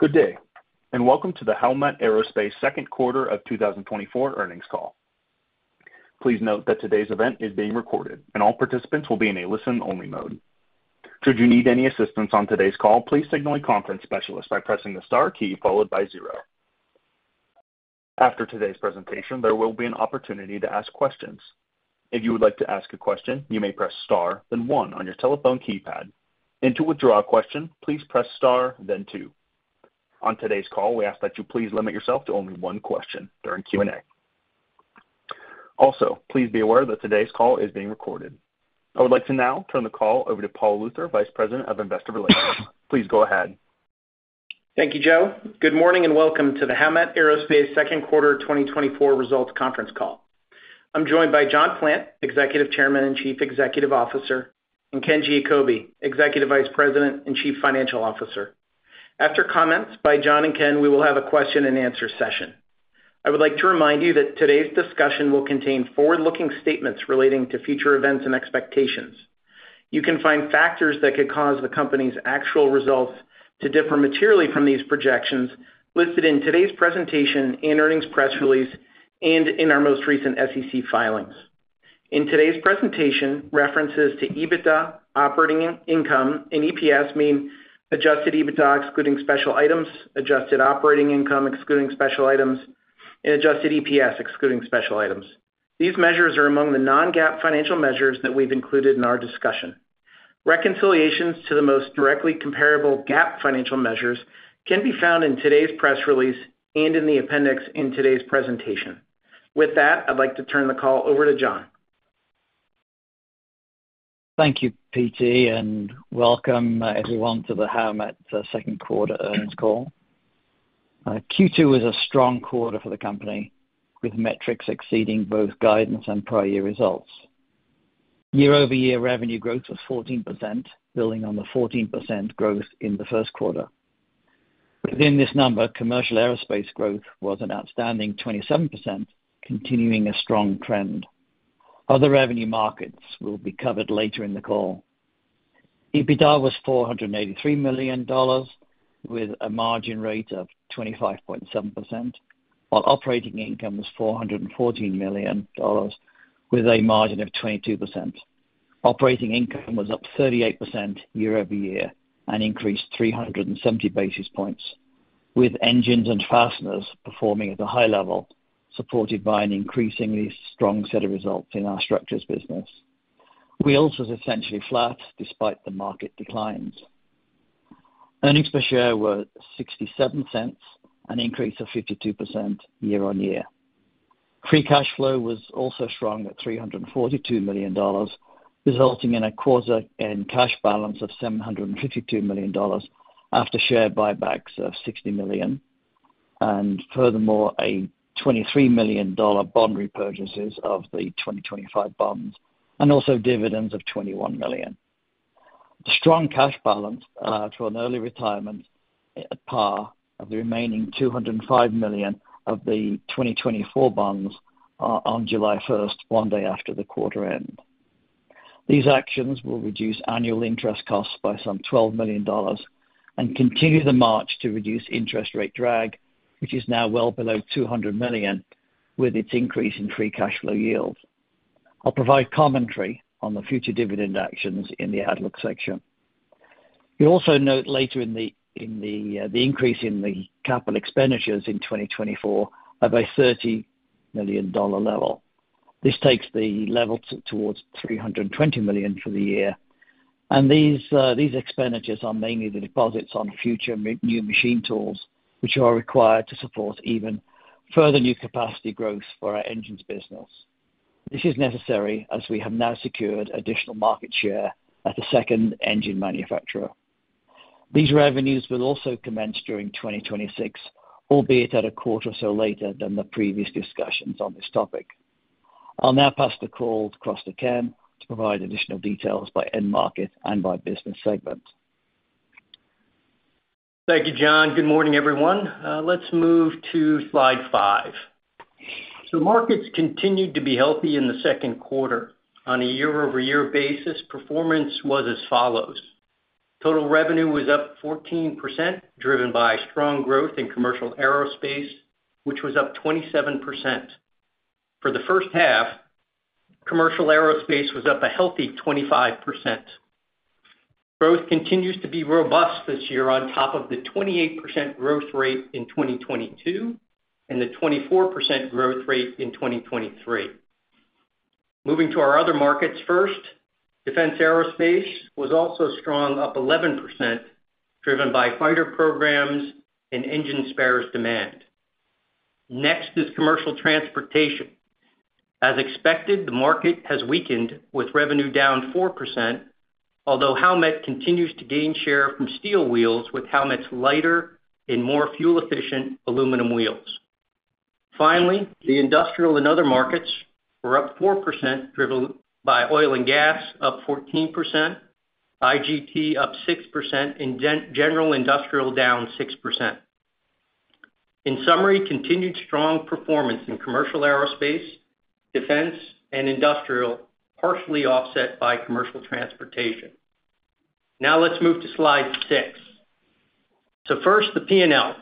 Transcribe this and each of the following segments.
Good day, and welcome to the Howmet Aerospace second quarter of 2024 earnings call. Please note that today's event is being recorded, and all participants will be in a listen-only mode. Should you need any assistance on today's call, please signal a conference specialist by pressing the star key followed by zero. After today's presentation, there will be an opportunity to ask questions. If you would like to ask a question, you may press star, then one on your telephone keypad. To withdraw a question, please press star, then two. On today's call, we ask that you please limit yourself to only one question during Q&A. Also, please be aware that today's call is being recorded. I would like to now turn the call over to Paul Luther, Vice President of Investor Relations. Please go ahead. Thank you, Joe. Good morning and welcome to the Howmet Aerospace second quarter 2024 results conference call. I'm joined by John Plant, Executive Chairman and Chief Executive Officer, and Ken Giacobbe, Executive Vice President and Chief Financial Officer. After comments by John and Ken, we will have a question-and-answer session. I would like to remind you that today's discussion will contain forward-looking statements relating to future events and expectations. You can find factors that could cause the company's actual results to differ materially from these projections listed in today's presentation and earnings press release and in our most recent SEC filings. In today's presentation, references to EBITDA, operating income, and EPS mean adjusted EBITDA excluding special items, adjusted operating income excluding special items, and adjusted EPS excluding special items. These measures are among the non-GAAP financial measures that we've included in our discussion. Reconciliations to the most directly comparable GAAP financial measures can be found in today's press release and in the appendix in today's presentation. With that, I'd like to turn the call over to John. Thank you, PT, and welcome everyone to the Howmet second quarter earnings call. Q2 was a strong quarter for the company, with metrics exceeding both guidance and prior year results. Year-over-year revenue growth was 14%, building on the 14% growth in the first quarter. Within this number, commercial aerospace growth was an outstanding 27%, continuing a strong trend. Other revenue markets will be covered later in the call. EBITDA was $483 million, with a margin rate of 25.7%, while operating income was $414 million, with a margin of 22%. Operating income was up 38% year-over-year and increased 370 basis points, with engines and fasteners performing at a high level, supported by an increasingly strong set of results in our structures business. Wheels was essentially flat despite the market declines. Earnings per share were $0.67, an increase of 52% year-over-year. Free cash flow was also strong at $342 million, resulting in a quarter-end cash balance of $752 million after share buybacks of $60 million, and furthermore, a $23 million bond repurchase of the 2025 bonds and also dividends of $21 million. Strong cash balance allowed for an early retirement at par of the remaining $205 million of the 2024 bonds on July 1st, one day after the quarter end. These actions will reduce annual interest costs by some $12 million and continue the march to reduce interest rate drag, which is now well below $200 million, with its increase in free cash flow yield. I'll provide commentary on the future dividend actions in the outlook section. You'll also note later in the increase in the capital expenditures in 2024 at a $30 million level. This takes the level towards $320 million for the year. These expenditures are mainly the deposits on future new machine tools, which are required to support even further new capacity growth for our engines business. This is necessary as we have now secured additional market share as a second engine manufacturer. These revenues will also commence during 2026, albeit at a quarter or so later than the previous discussions on this topic. I'll now pass the call across to Ken to provide additional details by end market and by business segment. Thank you, John. Good morning, everyone. Let's move to slide five. So markets continued to be healthy in the second quarter. On a year-over-year basis, performance was as follows. Total revenue was up 14%, driven by strong growth in commercial aerospace, which was up 27%. For the first half, commercial aerospace was up a healthy 25%. Growth continues to be robust this year on top of the 28% growth rate in 2022 and the 24% growth rate in 2023. Moving to our other markets first, defense aerospace was also strong, up 11%, driven by fighter programs and engine spares demand. Next is commercial transportation. As expected, the market has weakened, with revenue down 4%, although Howmet continues to gain share from steel wheels with Howmet's lighter and more fuel-efficient aluminum wheels. Finally, the industrial and other markets were up 4%, driven by oil and gas, up 14%, IGT up 6%, and general industrial down 6%. In summary, continued strong performance in commercial aerospace, defense, and industrial, partially offset by commercial transportation. Now let's move to slide six. So, first, the P&L.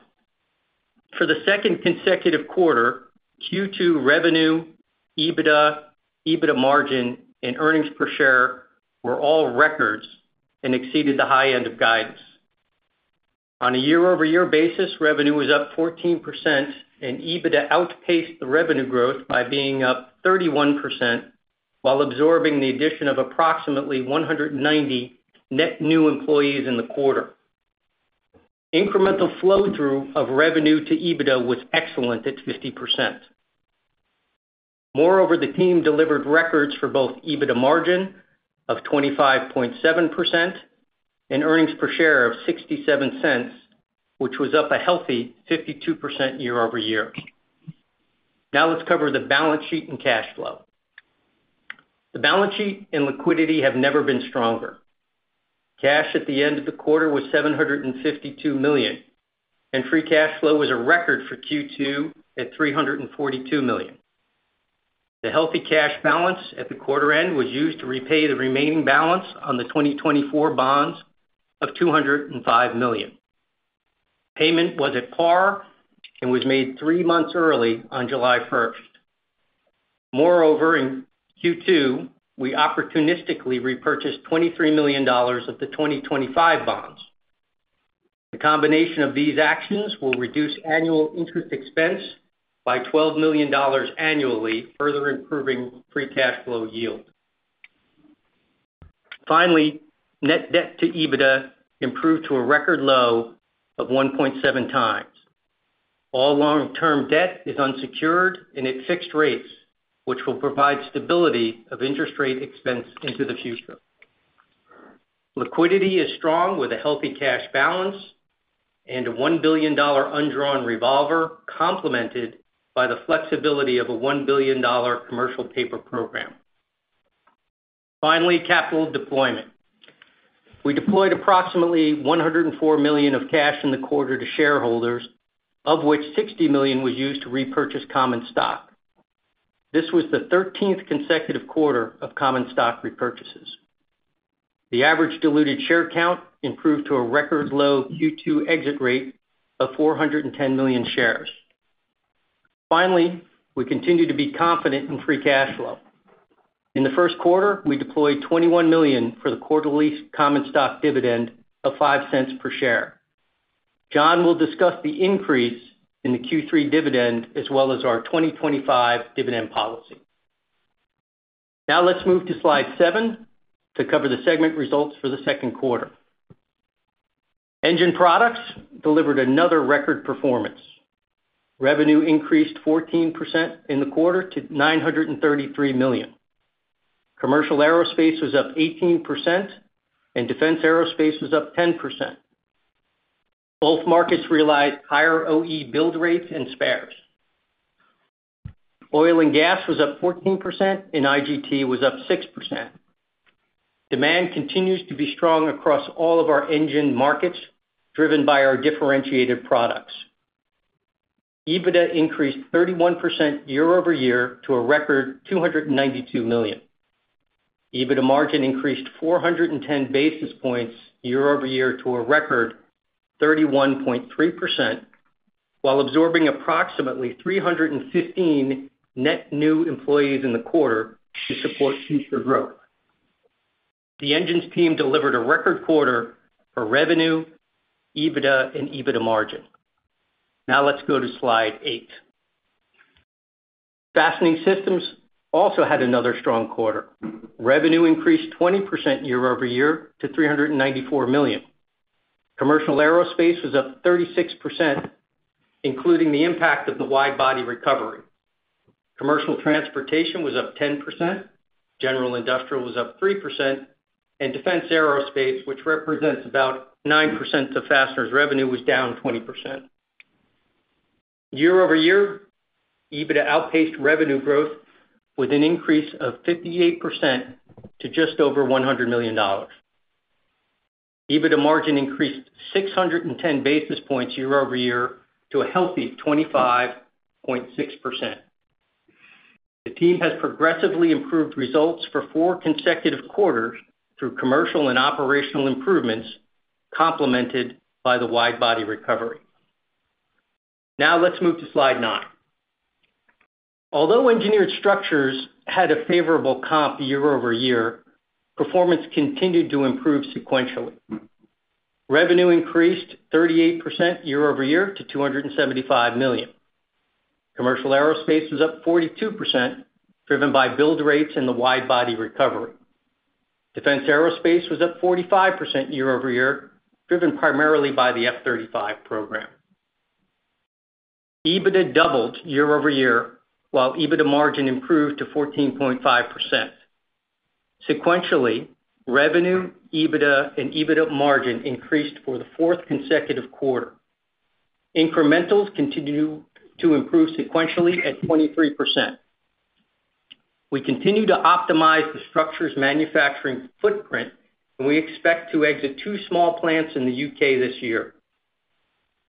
For the second consecutive quarter, Q2 revenue, EBITDA, EBITDA margin, and earnings per share were all records and exceeded the high end of guidance. On a year-over-year basis, revenue was up 14%, and EBITDA outpaced the revenue growth by being up 31%, while absorbing the addition of approximately 190 net new employees in the quarter. Incremental flow-through of revenue to EBITDA was excellent at 50%. Moreover, the team delivered records for both EBITDA margin of 25.7% and earnings per share of $0.67, which was up a healthy 52% year-over-year. Now let's cover the balance sheet and cash flow. The balance sheet and liquidity have never been stronger. Cash at the end of the quarter was $752 million, and free cash flow was a record for Q2 at $342 million. The healthy cash balance at the quarter end was used to repay the remaining balance on the 2024 bonds of $205 million. Payment was at par and was made three months early on July 1st. Moreover, in Q2, we opportunistically repurchased $23 million of the 2025 bonds. The combination of these actions will reduce annual interest expense by $12 million annually, further improving free cash flow yield. Finally, net debt to EBITDA improved to a record low of 1.7x. All long-term debt is unsecured and at fixed rates, which will provide stability of interest rate expense into the future. Liquidity is strong with a healthy cash balance and a $1 billion undrawn revolver, complemented by the flexibility of a $1 billion commercial paper program. Finally, capital deployment. We deployed approximately $104 million of cash in the quarter to shareholders, of which $60 million was used to repurchase common stock. This was the 13th consecutive quarter of common stock repurchases. The average diluted share count improved to a record low Q2 exit rate of 410 million shares. Finally, we continue to be confident in free cash flow. In the first quarter, we deployed $21 million for the quarterly common stock dividend of $0.05 per share. John will discuss the increase in the Q3 dividend as well as our 2025 dividend policy. Now let's move to slide seven to cover the segment results for the second quarter. Engine Products delivered another record performance. Revenue increased 14% in the quarter to $933 million. Commercial aerospace was up 18%, and defense aerospace was up 10%. Both markets relied on higher OE build rates and spares. Oil and gas was up 14%, and IGT was up 6%. Demand continues to be strong across all of our engine markets, driven by our differentiated products. EBITDA increased 31% year-over-year to a record $292 million. EBITDA margin increased 410 basis points year-over-year to a record 31.3%, while absorbing approximately 315 net new employees in the quarter to support future growth. The engines team delivered a record quarter for revenue, EBITDA, and EBITDA margin. Now let's go to slide eight. Fastening Systems also had another strong quarter. Revenue increased 20% year-over-year to $394 million. Commercial aerospace was up 36%, including the impact of the wide-body recovery. Commercial transportation was up 10%, general industrial was up 3%, and defense aerospace, which represents about 9% of fasteners' revenue, was down 20%. Year-over-year, EBITDA outpaced revenue growth with an increase of 58% to just over $100 million. EBITDA margin increased 610 basis points year-over-year to a healthy 25.6%. The team has progressively improved results for four consecutive quarters through commercial and operational improvements, complemented by the wide-body recovery. Now let's move to slide nine. Although Engineered Structures had a favorable comp year-over-year, performance continued to improve sequentially. Revenue increased 38% year-over-year to $275 million. Commercial aerospace was up 42%, driven by build rates and the wide-body recovery. Defense aerospace was up 45% year-over-year, driven primarily by the F-35 program. EBITDA doubled year-over-year, while EBITDA margin improved to 14.5%. Sequentially, revenue, EBITDA, and EBITDA margin increased for the fourth consecutive quarter. Incrementals continue to improve sequentially at 23%. We continue to optimize the structure's manufacturing footprint, and we expect to exit two small plants in the U.K. this year.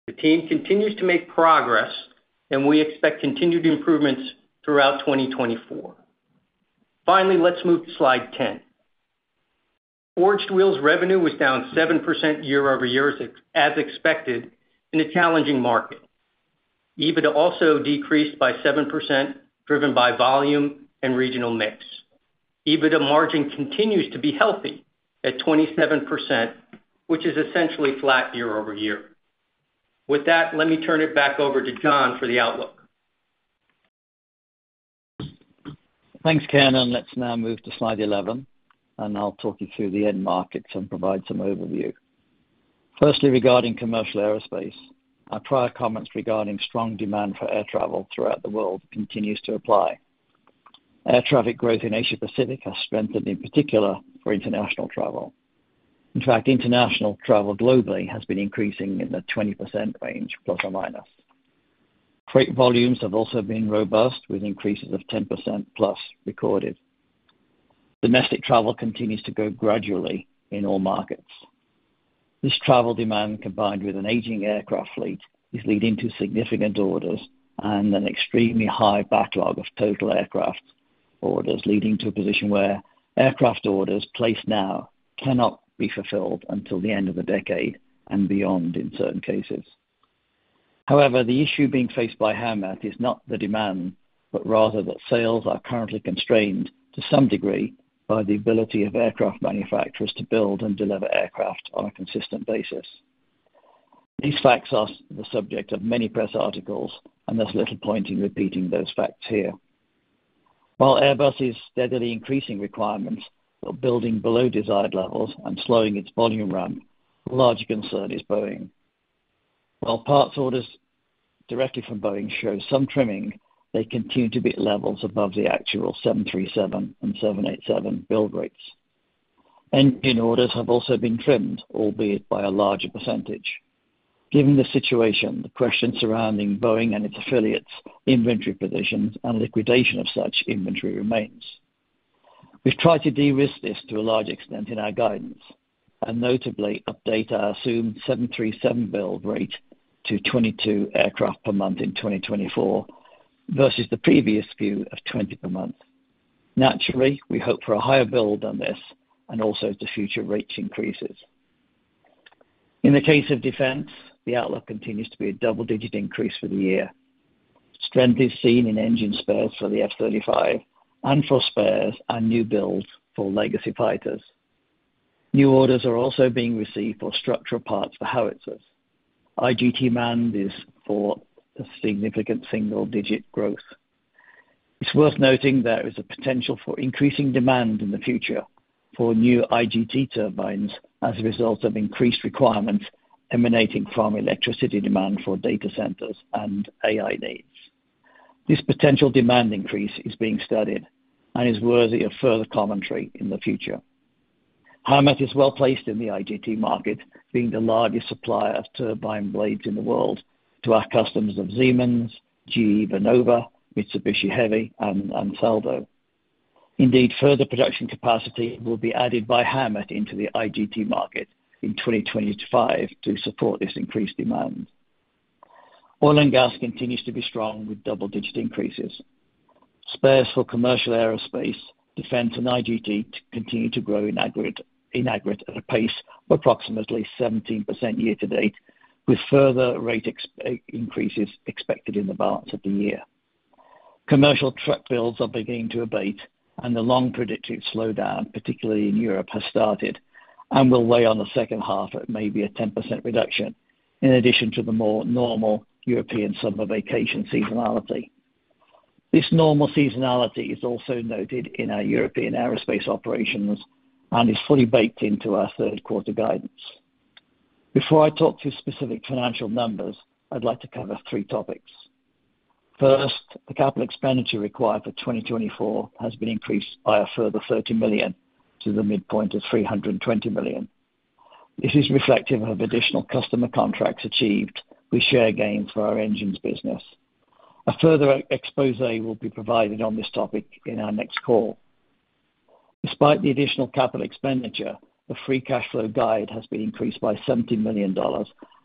The team continues to make progress, and we expect continued improvements throughout 2024. Finally, let's move to slide 10. Forged Wheels revenue was down 7% year-over-year, as expected, in a challenging market. EBITDA also decreased by 7%, driven by volume and regional mix. EBITDA margin continues to be healthy at 27%, which is essentially flat year-over-year. With that, let me turn it back over to John for the outlook. Thanks, Ken. Let's now move to slide 11, and I'll talk you through the end markets and provide some overview. Firstly, regarding commercial aerospace, our prior comments regarding strong demand for air travel throughout the world continue to apply. Air traffic growth in Asia-Pacific has strengthened, in particular for international travel. In fact, international travel globally has been increasing in the 20% range, plus or minus. Freight volumes have also been robust, with increases of 10% plus recorded. Domestic travel continues to go gradually in all markets. This travel demand, combined with an aging aircraft fleet, is leading to significant orders and an extremely high backlog of total aircraft orders, leading to a position where aircraft orders placed now cannot be fulfilled until the end of the decade and beyond in certain cases. However, the issue being faced by Howmet is not the demand, but rather that sales are currently constrained to some degree by the ability of aircraft manufacturers to build and deliver aircraft on a consistent basis. These facts are the subject of many press articles, and there's little point in repeating those facts here. While Airbus is steadily increasing requirements for building below desired levels and slowing its volume run, a larger concern is Boeing. While parts orders directly from Boeing show some trimming, they continue to be at levels above the actual 737 and 787 build rates. Engine orders have also been trimmed, albeit by a larger percentage. Given the situation, the question surrounding Boeing and its affiliates' inventory positions and liquidation of such inventory remains. We've tried to de-risk this to a large extent in our guidance, and notably, update our assumed 737 build rate to 22 aircraft per month in 2024 versus the previous few of 20 per month. Naturally, we hope for a higher build than this and also to future rates increases. In the case of defense, the outlook continues to be a double-digit increase for the year. Strength is seen in engine spares for the F-35 and for spares and new builds for legacy fighters. New orders are also being received for structural parts for howitzers. IGT demand is for a significant single-digit growth. It's worth noting there is a potential for increasing demand in the future for new IGT turbines as a result of increased requirements emanating from electricity demand for data centers and AI needs. This potential demand increase is being studied and is worthy of further commentary in the future. Howmet is well placed in the IGT market, being the largest supplier of turbine blades in the world to our customers of Siemens, GE Vernova, Mitsubishi Heavy, and Ansaldo. Indeed, further production capacity will be added by Howmet into the IGT market in 2025 to support this increased demand. Oil and gas continues to be strong with double-digit increases. Spares for commercial aerospace, defense, and IGT continue to grow in aggregate at a pace of approximately 17% year to date, with further rate increases expected in the balance of the year. Commercial truck builds are beginning to abate, and the long predicted slowdown, particularly in Europe, has started and will weigh on the second half at maybe a 10% reduction in addition to the more normal European summer vacation seasonality. This normal seasonality is also noted in our European aerospace operations and is fully baked into our third quarter guidance. Before I talk to specific financial numbers, I'd like to cover three topics. First, the capital expenditure required for 2024 has been increased by a further $30 million to the midpoint of $320 million. This is reflective of additional customer contracts achieved, which share gains for our engines business. A further exposé will be provided on this topic in our next call. Despite the additional capital expenditure, the free cash flow guide has been increased by $70 million,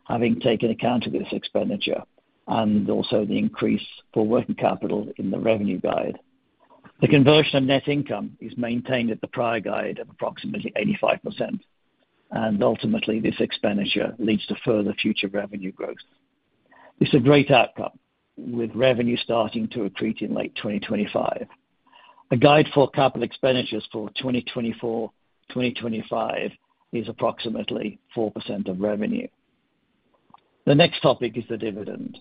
having taken account of this expenditure and also the increase for working capital in the revenue guide. The conversion of net income is maintained at the prior guide of approximately 85%, and ultimately, this expenditure leads to further future revenue growth. This is a great outcome, with revenue starting to accrete in late 2025. A guide for capital expenditures for 2024-2025 is approximately 4% of revenue. The next topic is the dividend.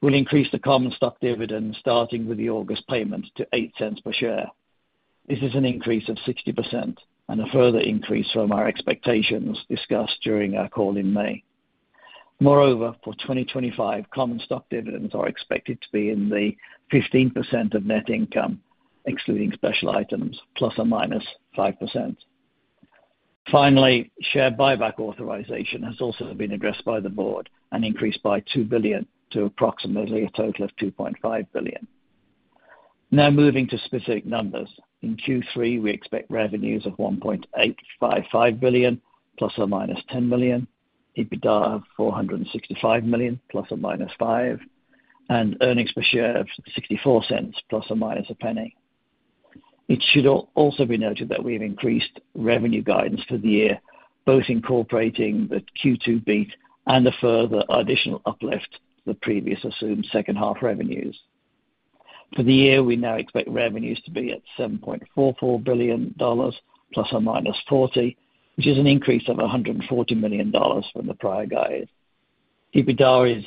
We'll increase the common stock dividend, starting with the August payment, to $0.08 per share. This is an increase of 60% and a further increase from our expectations discussed during our call in May. Moreover, for 2025, common stock dividends are expected to be in the 15% of net income, excluding special items, ±5%. Finally, share buyback authorization has also been addressed by the Board and increased by $2 billion to approximately a total of $2.5 billion. Now moving to specific numbers. In Q3, we expect revenues of $1.855 billion ± $10 million, EBITDA of $465 million ± $5, and earnings per share of $0.64 ± $0.01. It should also be noted that we have increased revenue guidance for the year, both incorporating the Q2 beat and a further additional uplift to the previous assumed second half revenues. For the year, we now expect revenues to be at $7.44 billion ± $40 million, which is an increase of $140 million from the prior guide. EBITDA is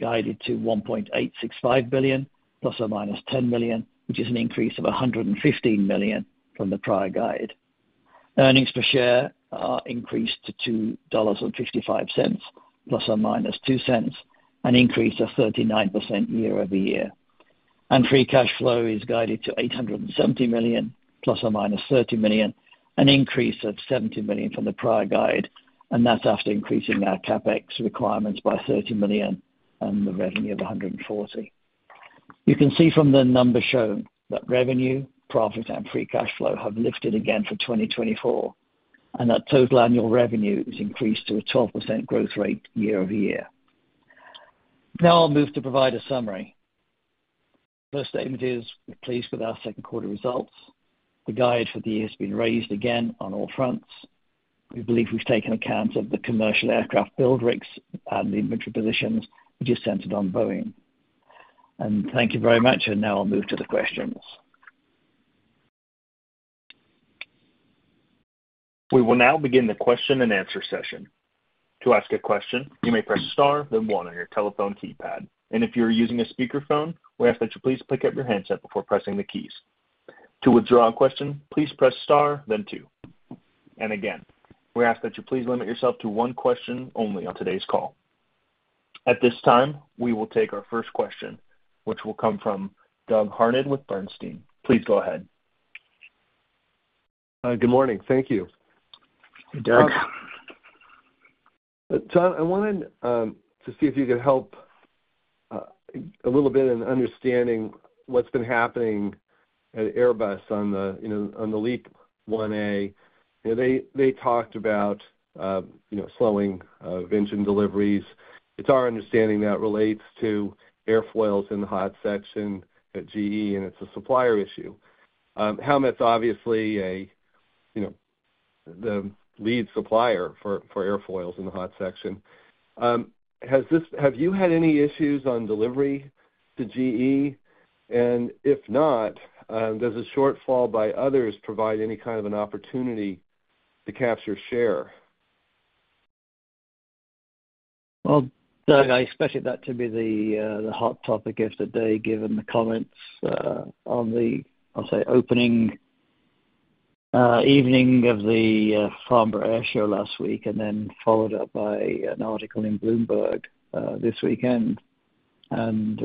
guided to $1.865 billion ± $10 million, which is an increase of $115 million from the prior guide. Earnings per share are increased to $2.55 ± $0.02, an increase of 39% year-over-year. Free cash flow is guided to $870 million ± $30 million, an increase of $70 million from the prior guide, and that's after increasing our CapEx requirements by $30 million and the revenue of $140 million. You can see from the numbers shown that revenue, profit, and free cash flow have lifted again for 2024, and that total annual revenue has increased to a 12% growth rate year-over-year. Now I'll move to provide a summary. First statement is we're pleased with our second quarter results. The guide for the year has been raised again on all fronts. We believe we've taken account of the commercial aircraft build rates and the inventory positions we just centered on Boeing. And thank you very much, and now I'll move to the questions. We will now begin the question and answer session. To ask a question, you may press star, then one, on your telephone keypad. If you're using a speakerphone, we ask that you please pick up your handset before pressing the keys. To withdraw a question, please press star, then two. Again, we ask that you please limit yourself to one question only on today's call. At this time, we will take our first question, which will come from Doug Harned with Bernstein. Please go ahead. Good morning. Thank you. Hey, Doug. John, I wanted to see if you could help a little bit in understanding what's been happening at Airbus on the LEAP-1A. They talked about slowing of engine deliveries. It's our understanding that relates to airfoils in the hot section at GE, and it's a supplier issue. Howmet's obviously the lead supplier for airfoils in the hot section. Have you had any issues on delivery to GE? And if not, does a shortfall by others provide any kind of an opportunity to capture share? Well, Doug, I expected that to be the hot topic yesterday, given the comments on the, I'll say, opening evening of the Farnborough Air Show last week, and then followed up by an article in Bloomberg this weekend. And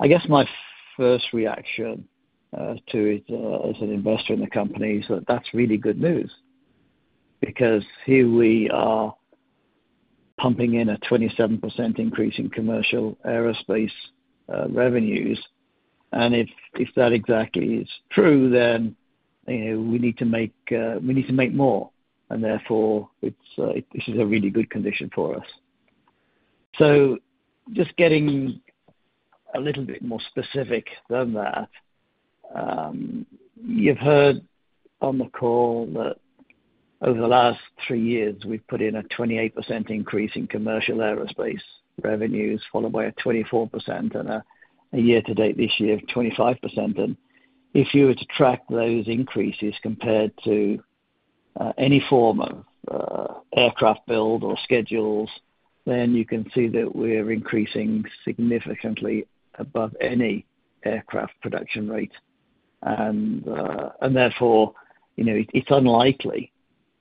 I guess my first reaction to it as an investor in the company is that that's really good news because here we are pumping in a 27% increase in commercial aerospace revenues. And if that exactly is true, then we need to make more, and therefore, this is a really good condition for us. So just getting a little bit more specific than that, you've heard on the call that over the last three years, we've put in a 28% increase in commercial aerospace revenues, followed by a 24%, and a year to date this year, 25%. If you were to track those increases compared to any form of aircraft build or schedules, then you can see that we're increasing significantly above any aircraft production rate. Therefore, it's unlikely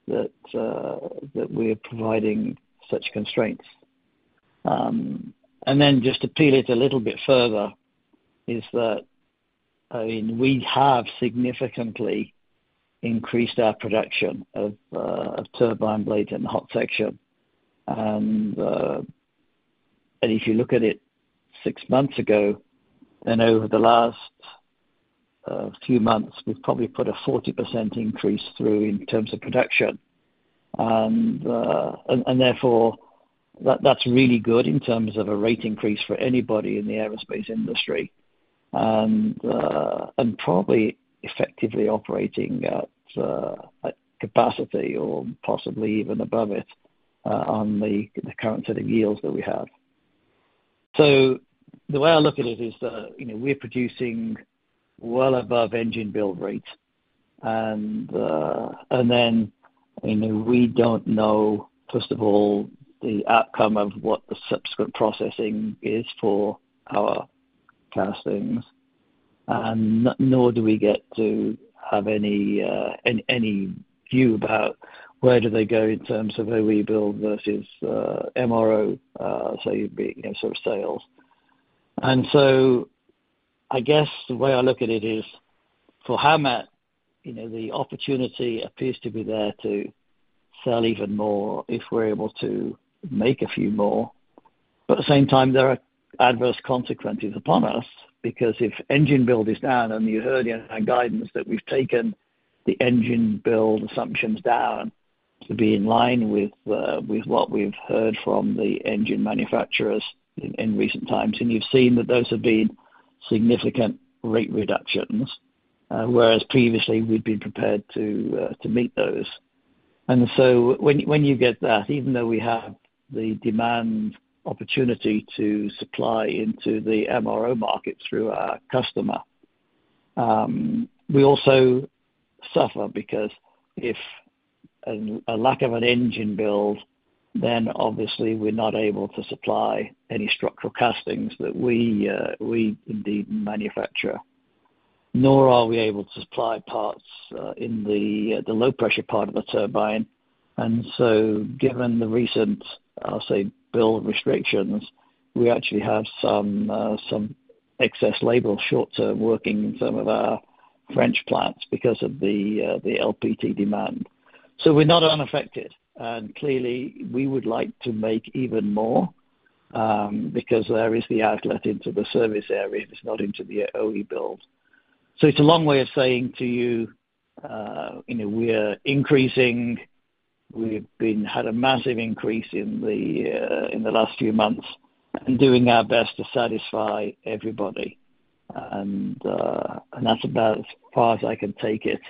that we're providing such constraints. Then just to peel it a little bit further is that we have significantly increased our production of turbine blades in the hot section. If you look at it six months ago, then over the last few months, we've probably put a 40% increase through in terms of production. Therefore, that's really good in terms of a rate increase for anybody in the aerospace industry and probably effectively operating at capacity or possibly even above it on the current set of yields that we have. The way I look at it is that we're producing well above engine build rates. And then we don't know, first of all, the outcome of what the subsequent processing is for our castings, and nor do we get to have any view about where do they go in terms of OE build versus MRO, say, sort of sales. And so I guess the way I look at it is for Howmet, the opportunity appears to be there to sell even more if we're able to make a few more. But at the same time, there are adverse consequences upon us because if engine build is down, and you heard in our guidance that we've taken the engine build assumptions down to be in line with what we've heard from the engine manufacturers in recent times, and you've seen that those have been significant rate reductions, whereas previously, we'd been prepared to meet those. And so when you get that, even though we have the demand opportunity to supply into the MRO market through our customer, we also suffer because of a lack of an engine build, then obviously, we're not able to supply any structural castings that we indeed manufacture, nor are we able to supply parts in the low-pressure part of the turbine. And so given the recent, I'll say, build restrictions, we actually have some excess labor short-term working in some of our French plants because of the LPT demand. So we're not unaffected. And clearly, we would like to make even more because there is the outlet into the service area if it's not into the OE build. So it's a long way of saying to you, we're increasing. We've had a massive increase in the last few months and doing our best to satisfy everybody. That's about as far as I can take it.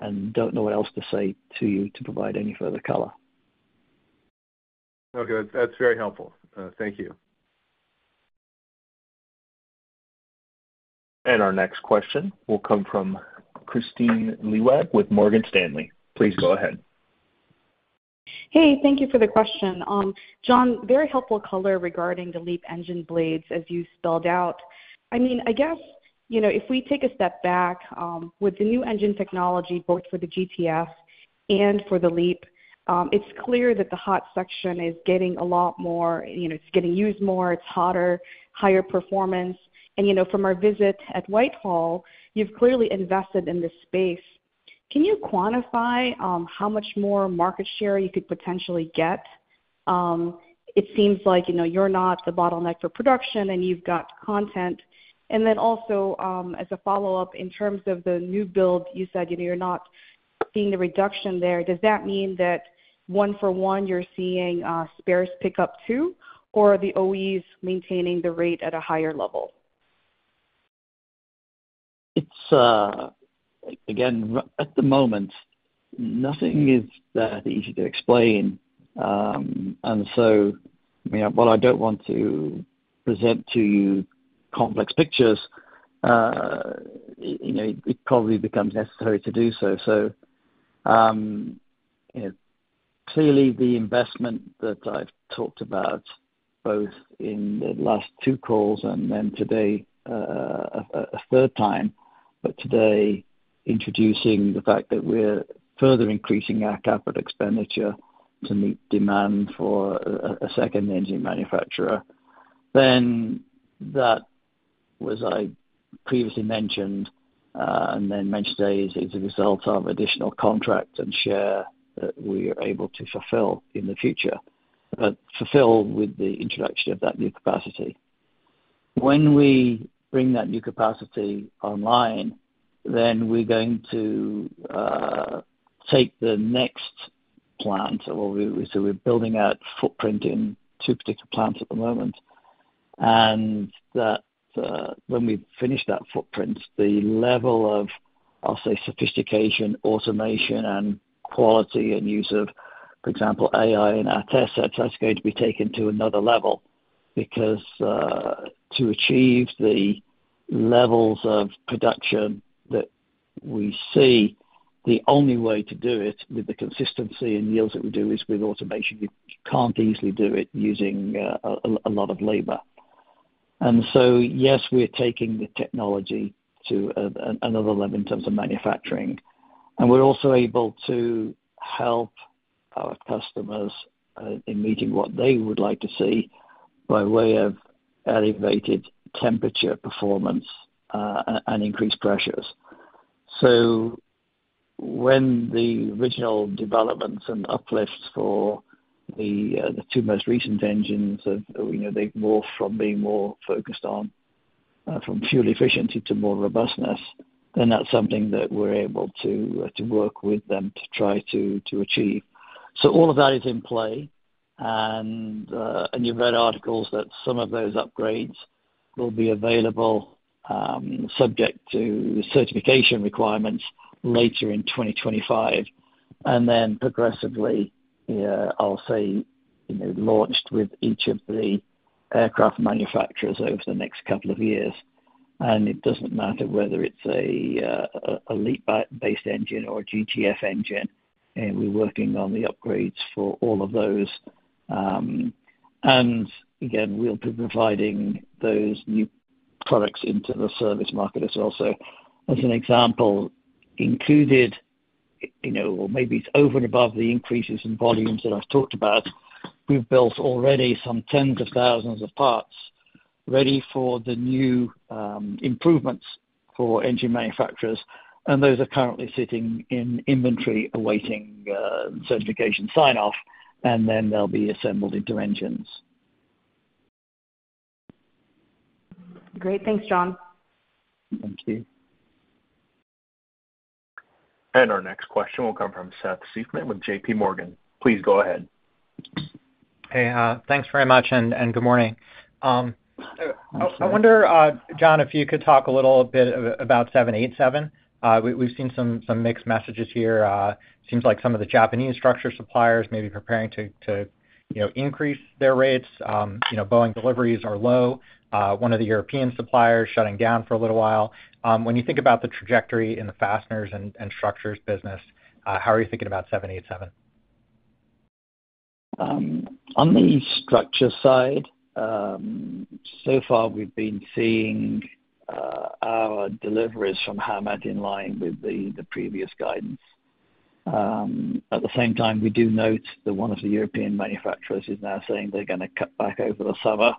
And don't know what else to say to you to provide any further color. Okay. That's very helpful. Thank you. And our next question will come from Kristine Liwag with Morgan Stanley. Please go ahead. Hey, thank you for the question. John, very helpful color regarding the LEAP engine blades as you spelled out. I mean, I guess if we take a step back with the new engine technology, both for the GTF and for the LEAP, it's clear that the hot section is getting a lot more. It's getting used more, it's hotter, higher performance. And from our visit at Whitehall, you've clearly invested in this space. Can you quantify how much more market share you could potentially get? It seems like you're not the bottleneck for production, and you've got content. And then also, as a follow-up, in terms of the new build, you said you're not seeing the reduction there. Does that mean that one for one, you're seeing spares pick up too, or are the OEs maintaining the rate at a higher level? It's, again, at the moment, nothing is that easy to explain. And so while I don't want to present to you complex pictures, it probably becomes necessary to do so. So clearly, the investment that I've talked about both in the last two calls and then today a third time, but today introducing the fact that we're further increasing our capital expenditure to meet demand for a second engine manufacturer, then that, as I previously mentioned, and then mentioned today, is a result of additional contract and share that we are able to fulfill in the future, but fulfill with the introduction of that new capacity. When we bring that new capacity online, then we're going to take the next plant. So we're building out footprint in two particular plants at the moment. When we finish that footprint, the level of, I'll say, sophistication, automation, and quality and use of, for example, AI in our test sets, that's going to be taken to another level because to achieve the levels of production that we see, the only way to do it with the consistency and yields that we do is with automation. You can't easily do it using a lot of labor. So yes, we're taking the technology to another level in terms of manufacturing. We're also able to help our customers in meeting what they would like to see by way of elevated temperature performance and increased pressures. So when the original developments and uplifts for the two most recent engines, they've morphed from being more focused on fuel efficiency to more robustness, then that's something that we're able to work with them to try to achieve. So all of that is in play. You've read articles that some of those upgrades will be available subject to certification requirements later in 2025. Then progressively, I'll say, launched with each of the aircraft manufacturers over the next couple of years. It doesn't matter whether it's a LEAP-based engine or a GTF engine. We're working on the upgrades for all of those. Again, we'll be providing those new products into the service market as well. So as an example, included, or maybe it's over and above the increases in volumes that I've talked about, we've built already some tens of thousands of parts ready for the new improvements for engine manufacturers. And those are currently sitting in inventory awaiting certification sign-off, and then they'll be assembled into engines. Great. Thanks, John. Thank you. Our next question will come from Seth Seifman with J.P. Morgan. Please go ahead. Hey, thanks very much, and good morning. I wonder, John, if you could talk a little bit about 787. We've seen some mixed messages here. It seems like some of the Japanese structure suppliers may be preparing to increase their rates. Boeing deliveries are low. One of the European suppliers shutting down for a little while. When you think about the trajectory in the fasteners and structures business, how are you thinking about 787? On the structure side, so far, we've been seeing our deliveries from Howmet in line with the previous guidance. At the same time, we do note that one of the European manufacturers is now saying they're going to cut back over the summer.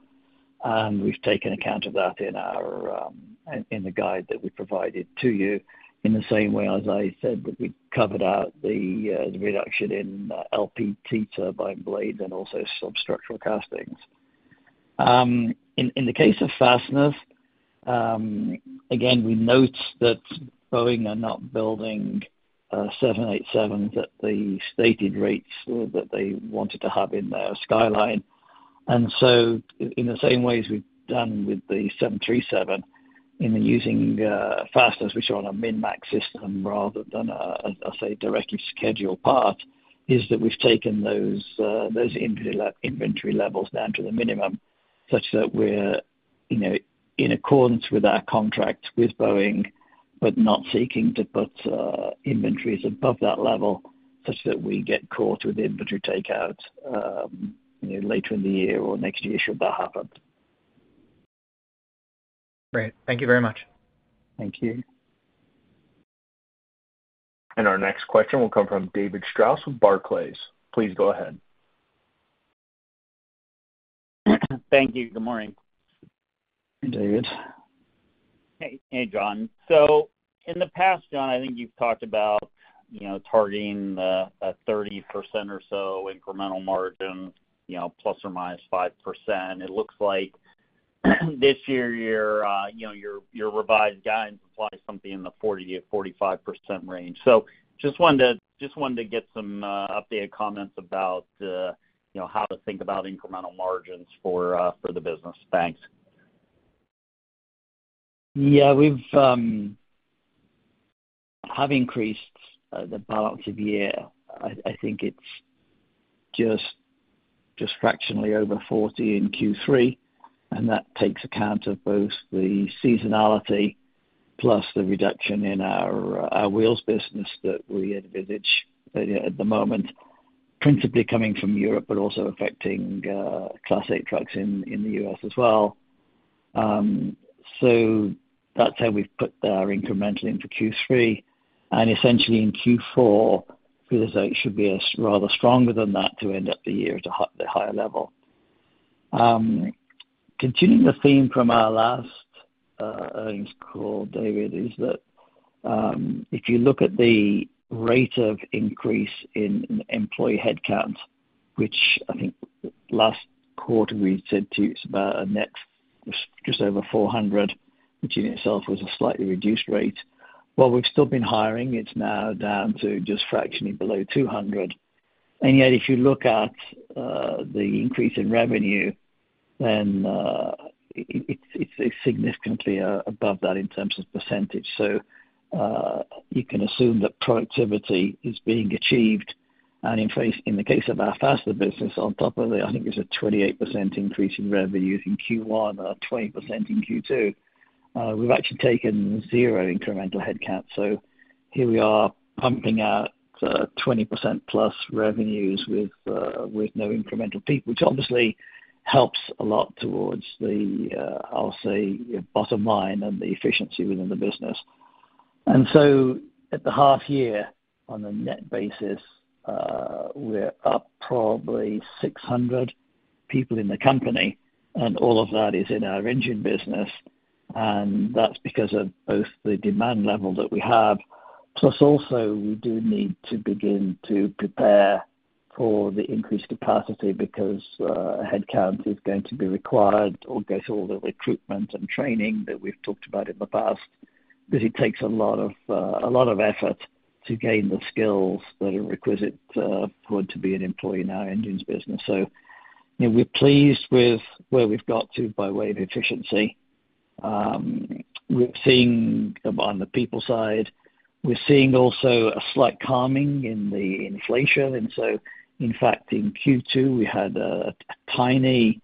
We've taken account of that in the guide that we provided to you in the same way as I said that we covered out the reduction in LPT turbine blades and also some structural castings. In the case of fasteners, again, we note that Boeing are not building 787s at the stated rates that they wanted to have in their skyline. In the same way as we've done with the 737, in using fasteners, we're showing a min-max system rather than, I'll say, directly scheduled parts, in that we've taken those inventory levels down to the minimum such that we're in accordance with our contract with Boeing, but not seeking to put inventories above that level such that we get caught with inventory takeout later in the year or next year should that happen. Great. Thank you very much. Thank you. Our next question will come from David Strauss with Barclays. Please go ahead. Thank you. Good morning. Hey, David. Hey, John. So in the past, John, I think you've talked about targeting a 30% or so incremental margin, ±5%. It looks like this year, your revised guidance implies something in the 40%-45% range. So just wanted to get some updated comments about how to think about incremental margins for the business. Thanks. Yeah. We have increased the balance of year. I think it's just fractionally over 40% in Q3. And that takes account of both the seasonality plus the reduction in our wheels business that we envisage at the moment, principally coming from Europe, but also affecting Class 8 trucks in the U.S. as well. So that's how we've put our incremental into Q3. And essentially in Q4, it should be rather stronger than that to end up the year at a higher level. Continuing the theme from our last earnings call, David, is that if you look at the rate of increase in employee headcount, which I think last quarter we said to you it's about a net just over 400, which in itself was a slightly reduced rate. While we've still been hiring, it's now down to just fractionally below 200. And yet, if you look at the increase in revenue, then it's significantly above that in terms of percentage. So you can assume that productivity is being achieved. And in the case of our fastener business, on top of it, I think it's a 28% increase in revenue in Q1 and a 20% in Q2. We've actually taken zero incremental headcount. So here we are pumping out 20%+ revenues with no incremental people, which obviously helps a lot towards the, I'll say, bottom line and the efficiency within the business. And so at the half year, on a net basis, we're up probably 600 people in the company. And all of that is in our engine business. And that's because of both the demand level that we have, plus also we do need to begin to prepare for the increased capacity because headcount is going to be required, or I guess all the recruitment and training that we've talked about in the past, because it takes a lot of effort to gain the skills that are requisite for it to be an employee in our engines business. So we're pleased with where we've got to by way of efficiency. We're seeing on the people side, we're seeing also a slight calming in the inflation. In fact, in Q2, we had a tiny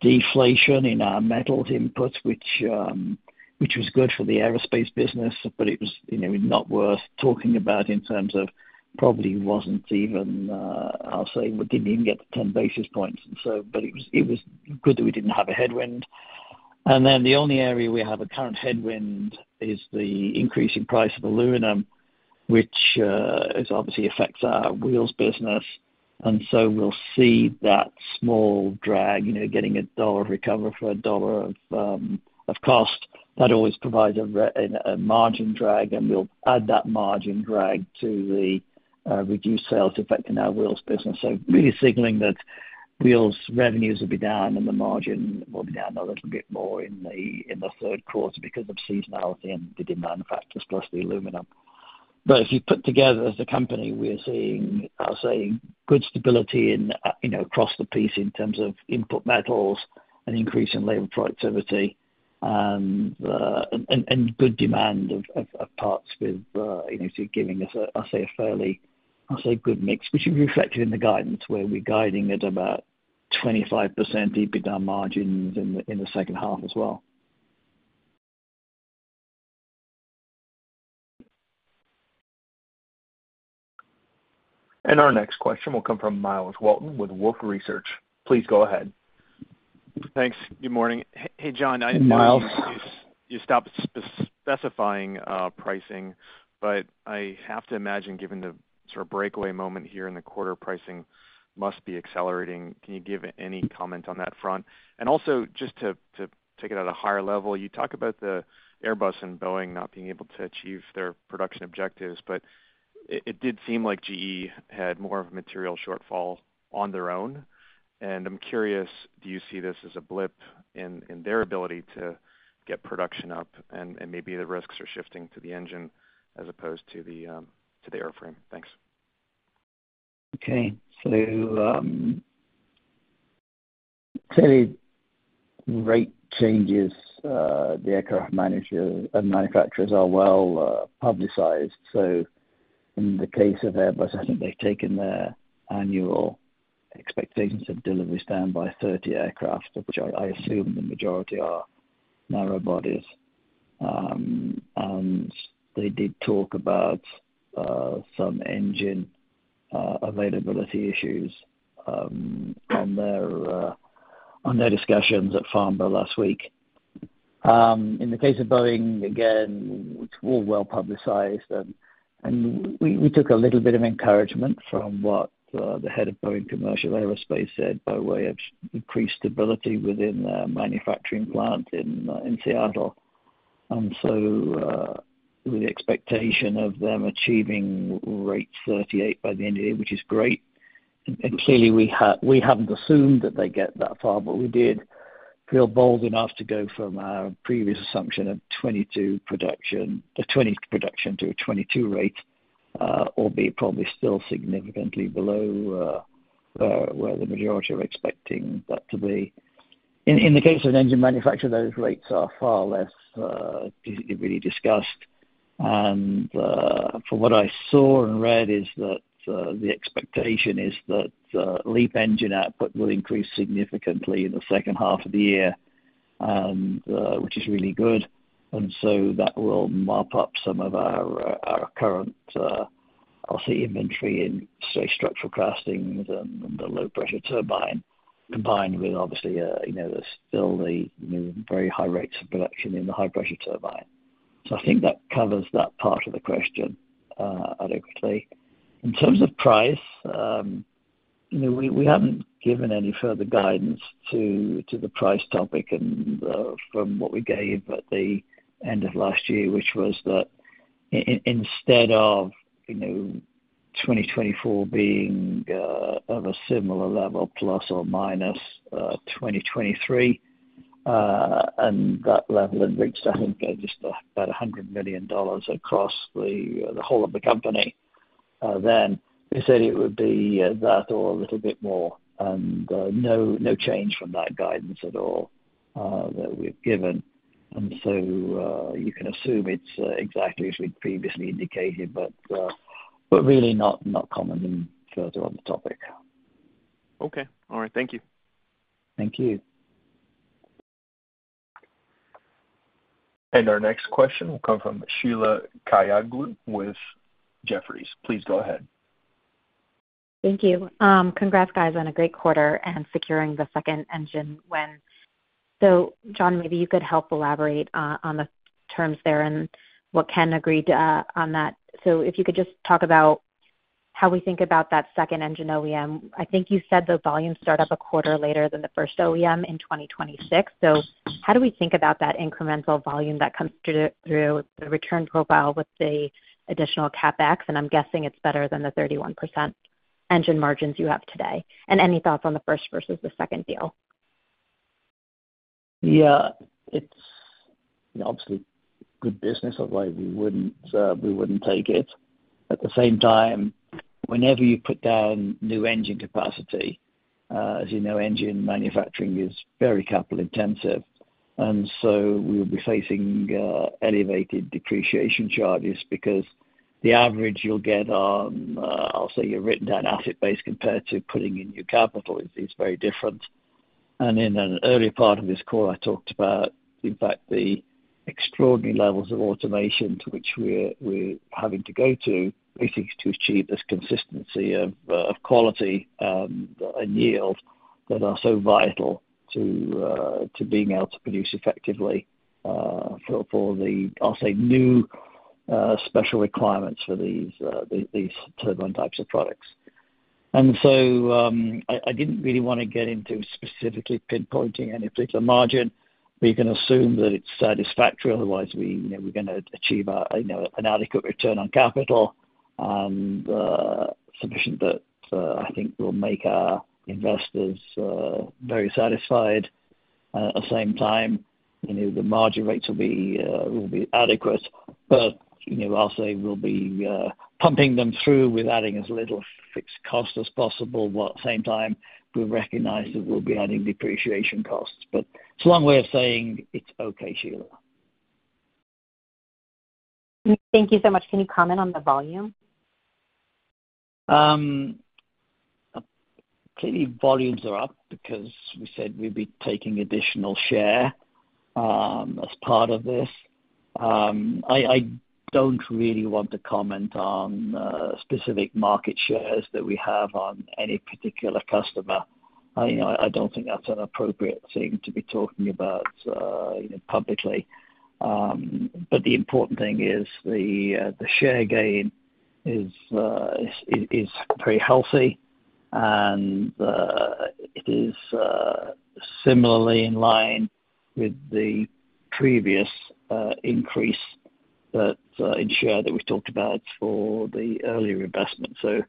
deflation in our metals inputs, which was good for the aerospace business, but it was not worth talking about in terms of probably wasn't even. I'll say, we didn't even get the 10 basis points. But it was good that we didn't have a headwind. Then the only area we have a current headwind is the increasing price of aluminum, which obviously affects our wheels business. So we'll see that small drag, getting $1 of recovery for $1 of cost, that always provides a margin drag. We'll add that margin drag to the reduced sales effect in our wheels business. Really signaling that wheels revenues will be down and the margin will be down a little bit more in the third quarter because of seasonality and the demand factors plus the aluminum. If you put together as a company, we're seeing, I'll say, good stability across the piece in terms of input metals and increase in labor productivity and good demand of parts with giving us, I'll say, a fairly, I'll say, good mix, which is reflected in the guidance where we're guiding at about 25% EBITDA margins in the second half as well. Our next question will come from Myles Walton with Wolfe Research. Please go ahead. Thanks. Good morning. Hey, John. Myles. You stopped specifying pricing, but I have to imagine given the sort of breakaway moment here in the quarter, pricing must be accelerating. Can you give any comment on that front? And also, just to take it at a higher level, you talk about the Airbus and Boeing not being able to achieve their production objectives, but it did seem like GE had more of a material shortfall on their own. And I'm curious, do you see this as a blip in their ability to get production up and maybe the risks are shifting to the engine as opposed to the airframe? Thanks. Okay. So rate changes, the aircraft manufacturers are well publicized. So in the case of Airbus, I think they've taken their annual expectations of delivery stand by 30 aircraft, which I assume the majority are narrowbodies. And they did talk about some engine availability issues on their discussions at Farnborough last week. In the case of Boeing, again, it's all well publicized. And we took a little bit of encouragement from what the head of Boeing Commercial Aerospace said by way of increased stability within their manufacturing plant in Seattle. And so with the expectation of them achieving rate 38 by the end of the year, which is great. Clearly, we haven't assumed that they get that far, but we did feel bold enough to go from our previous assumption of 22 production to a 22 rate, albeit probably still significantly below where the majority are expecting that to be. In the case of an engine manufacturer, those rates are far less really discussed. From what I saw and read, the expectation is that LEAP engine output will increase significantly in the second half of the year, which is really good. So that will mop up some of our current, I'll say, inventory in straight structural castings and the low-pressure turbine, combined with, obviously, there's still the very high rates of production in the high-pressure turbine. I think that covers that part of the question adequately. In terms of price, we haven't given any further guidance to the price topic from what we gave at the end of last year, which was that instead of 2024 being of a similar level plus or minus 2023, and that level had reached, I think, just about $100 million across the whole of the company, then we said it would be that or a little bit more. No change from that guidance at all that we've given. So you can assume it's exactly as we previously indicated, but really not commenting further on the topic. Okay. All right. Thank you. Thank you. Our next question will come from Sheila Kahyaoglu with Jefferies. Please go ahead. Thank you. Congrats, guys, on a great quarter and securing the second engine win. So John, maybe you could help elaborate on the terms there and what Ken agreed on that. So if you could just talk about how we think about that second engine OEM. I think you said the volume started up a quarter later than the first OEM in 2026. So how do we think about that incremental volume that comes through the return profile with the additional CapEx? And I'm guessing it's better than the 31% engine margins you have today. And any thoughts on the first versus the second deal? Yeah. It's obviously good business of why we wouldn't take it. At the same time, whenever you put down new engine capacity, as you know, engine manufacturing is very capital intensive. And so we will be facing elevated depreciation charges because the average you'll get on, I'll say, your written down asset base compared to putting in new capital is very different. And in an earlier part of this call, I talked about, in fact, the extraordinary levels of automation to which we're having to go to basically to achieve this consistency of quality and yield that are so vital to being able to produce effectively for the, I'll say, new special requirements for these turbine types of products. And so I didn't really want to get into specifically pinpointing any particular margin, but you can assume that it's satisfactory. Otherwise, we're going to achieve an adequate return on capital and sufficient that I think will make our investors very satisfied. At the same time, the margin rates will be adequate, but I'll say we'll be pumping them through with adding as little fixed cost as possible. While at the same time, we recognize that we'll be adding depreciation costs. But it's a long way of saying it's okay, Sheila. Thank you so much. Can you comment on the volume? Clearly, volumes are up because we said we'd be taking additional share as part of this. I don't really want to comment on specific market shares that we have on any particular customer. I don't think that's an appropriate thing to be talking about publicly. But the important thing is the share gain is very healthy, and it is similarly in line with the previous increase in share that we've talked about for the earlier investment. So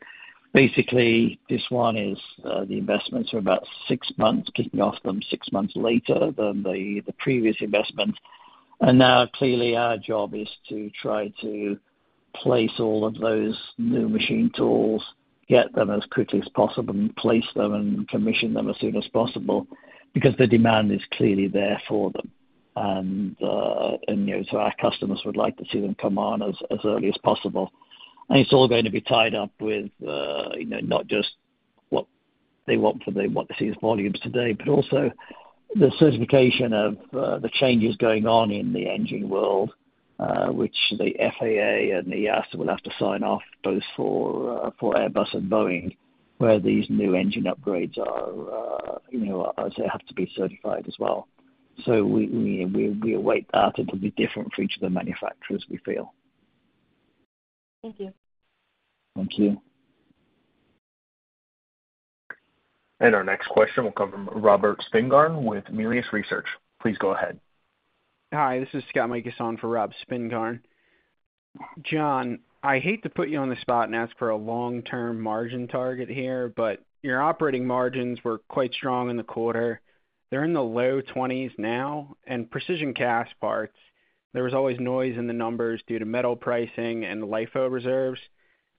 basically, this one is the investments are about six months, kicking off them six months later than the previous investment. And now, clearly, our job is to try to place all of those new machine tools, get them as quickly as possible, and place them and commission them as soon as possible because the demand is clearly there for them. And so our customers would like to see them come on as early as possible. And it's all going to be tied up with not just what they want for what they see as volumes today, but also the certification of the changes going on in the engine world, which the FAA and the EASA will have to sign off both for Airbus and Boeing, where these new engine upgrades are, I'll say, have to be certified as well. So we await that. It'll be different for each of the manufacturers, we feel. Thank you. Thank you. Our next question will come from Robert Spingarn with Melius Research. Please go ahead. Hi, this is Scott Mikus for Rob Spingarn. John, I hate to put you on the spot and ask for a long-term margin target here, but your operating margins were quite strong in the quarter. They're in the low 20s% now. And Precision Castparts, there was always noise in the numbers due to metal pricing and LIFO reserves.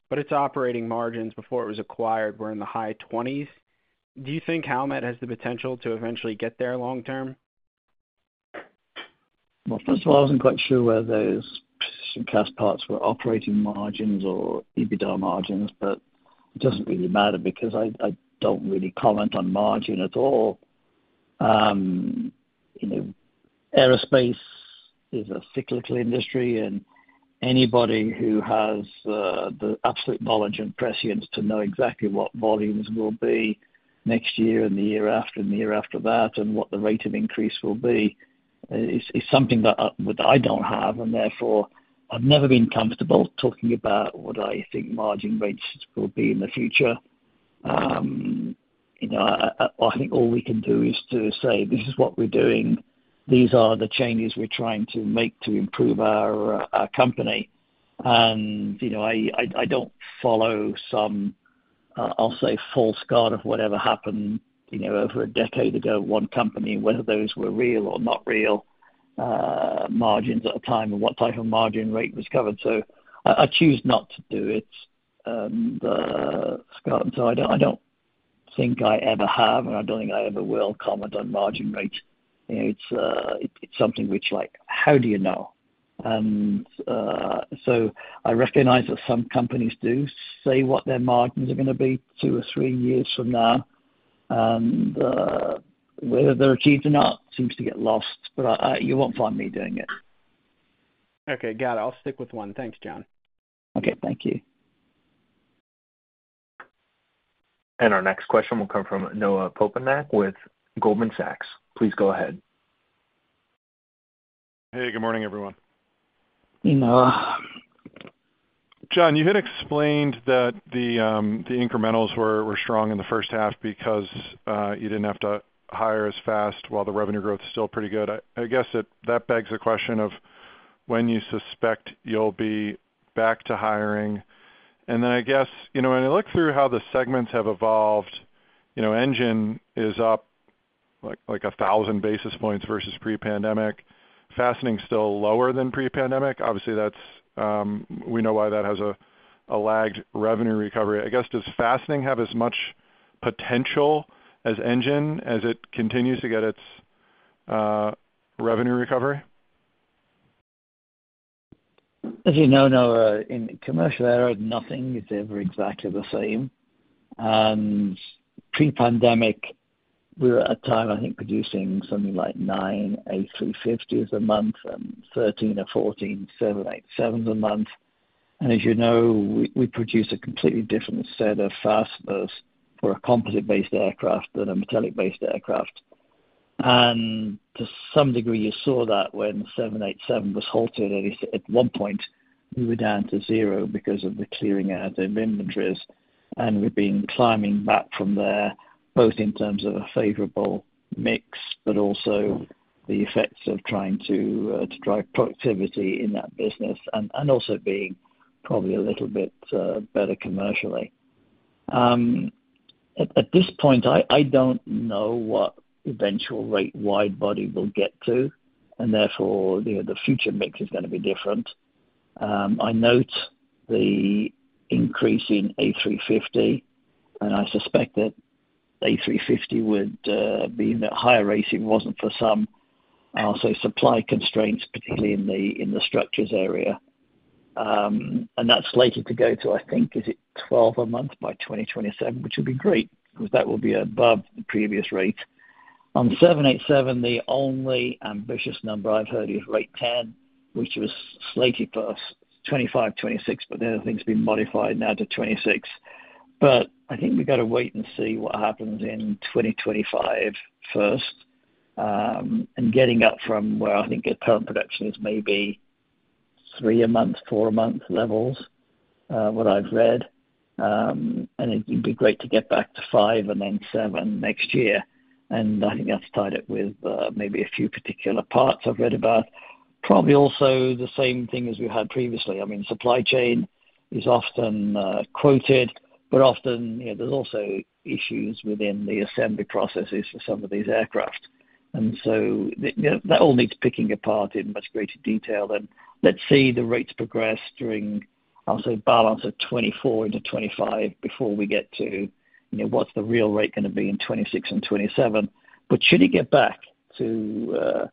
But its operating margins before it was acquired were in the high 20s%. Do you think Howmet has the potential to eventually get there long-term? Well, first of all, I wasn't quite sure whether those precision cast parts were operating margins or EBITDA margins, but it doesn't really matter because I don't really comment on margin at all. Aerospace is a cyclical industry, and anybody who has the absolute knowledge and prescience to know exactly what volumes will be next year and the year after and the year after that and what the rate of increase will be is something that I don't have. And therefore, I've never been comfortable talking about what I think margin rates will be in the future. I think all we can do is to say, "This is what we're doing. These are the changes we're trying to make to improve our company." I don't follow some, I'll say, false start of whatever happened over a decade ago, one company, whether those were real or not real margins at the time and what type of margin rate was covered. So I choose not to do it. So I don't think I ever have, and I don't think I ever will comment on margin rates. It's something which, like, how do you know? So I recognize that some companies do say what their margins are going to be two or three years from now. And whether they're achieved or not seems to get lost, but you won't find me doing it. Okay. Got it. I'll stick with one. Thanks, John. Okay. Thank you. Our next question will come from Noah Poponak with Goldman Sachs. Please go ahead. Hey, good morning, everyone. John, you had explained that the incrementals were strong in the first half because you didn't have to hire as fast while the revenue growth is still pretty good. I guess that begs the question of when you suspect you'll be back to hiring. And then I guess, when I look through how the segments have evolved, engine is up like 1,000 basis points versus pre-pandemic. Fastening is still lower than pre-pandemic. Obviously, we know why that has a lagged revenue recovery. I guess, does fastening have as much potential as engine as it continues to get its revenue recovery? As you know, Noah, in commercial aero, nothing is ever exactly the same. Pre-pandemic, we were at a time, I think, producing something like 9 A350s a month and 13 or 14 787s a month. As you know, we produce a completely different set of fasteners for a composite-based aircraft than a metallic-based aircraft. To some degree, you saw that when 787 was halted. At one point, we were down to 0 because of the clearing out of inventories. We've been climbing back from there, both in terms of a favorable mix, but also the effects of trying to drive productivity in that business and also being probably a little bit better commercially. At this point, I don't know what eventual rate wide-body will get to. Therefore, the future mix is going to be different. I note the increase in A350, and I suspect that A350 would be in a higher rate if it wasn't for some, I'll say, supply constraints, particularly in the structures area. That's slated to go to, I think, is it 12 a month by 2027, which would be great because that will be above the previous rate. On 787, the only ambitious number I've heard is rate 10, which was slated for 2025, 2026, but then I think it's been modified now to 2026. But I think we've got to wait and see what happens in 2025 first and getting up from where I think current production is maybe 3 a month, 4 a month levels, what I've read. And it'd be great to get back to 5 and then 7 next year. And I think that's tied up with maybe a few particular parts I've read about. Probably also the same thing as we've had previously. I mean, supply chain is often quoted, but often there's also issues within the assembly processes for some of these aircraft. And so that all needs picking apart in much greater detail. And let's see the rates progress during, I'll say, balance of 2024 into 2025 before we get to what's the real rate going to be in 2026 and 2027. But should it get back to,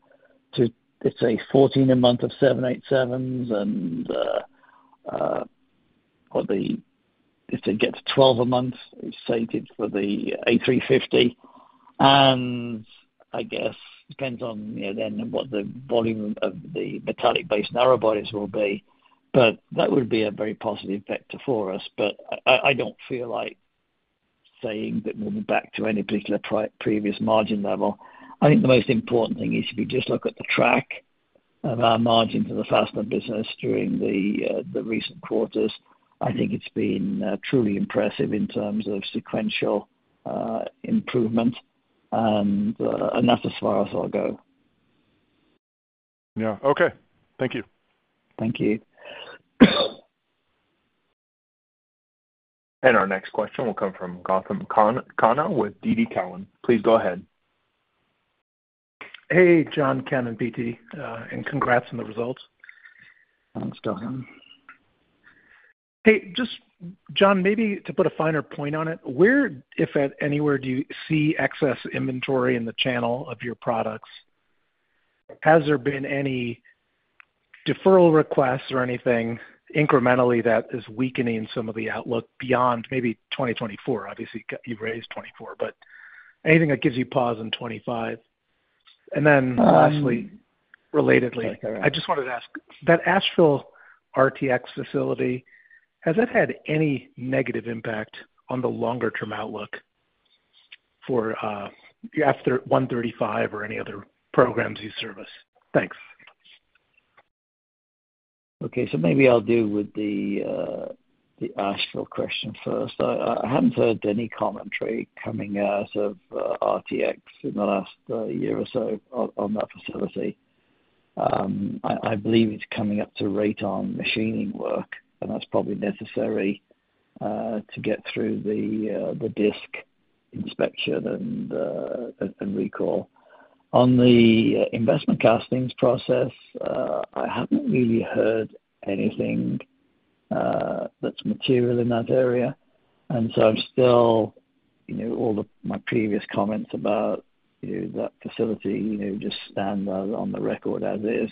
let's say, 14 a month of 787s and if it gets 12 a month, it's slated for the A350. And I guess it depends on then what the volume of the metallic-based narrowbodies will be. But that would be a very positive vector for us. But I don't feel like saying that we'll be back to any particular previous margin level. I think the most important thing is if you just look at the track of our margins of the fastener business during the recent quarters, I think it's been truly impressive in terms of sequential improvement. And that's as far as I'll go. Yeah. Okay. Thank you. Thank you. Our next question will come from Gautam Khanna with TD Cowen. Please go ahead. Hey, John, Ken and PT, and congrats on the results. Thanks, Gautam. Hey, just John, maybe to put a finer point on it, where, if anywhere, do you see excess inventory in the channel of your products? Has there been any deferral requests or anything incrementally that is weakening some of the outlook beyond maybe 2024? Obviously, you've raised 2024, but anything that gives you pause in 2025? And then lastly, relatedly, I just wanted to ask, that Asheville RTX facility, has that had any negative impact on the longer-term outlook for after 2025 or any other programs you service? Thanks. Okay. So maybe I'll deal with the Asheville question first. I haven't heard any commentary coming out of RTX in the last year or so on that facility. I believe it's coming up to rate on machining work, and that's probably necessary to get through the disc inspection and recall. On the investment castings process, I haven't really heard anything that's material in that area. And so, I'm still all of my previous comments about that facility just stand on the record as is.